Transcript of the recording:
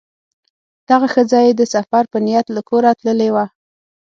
دغه ښځه یې د سفر په نیت له کوره تللې وه.